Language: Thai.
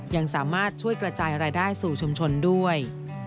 ยังสามารถช่วยกระจายรายได้สู่ชุมชนด้วย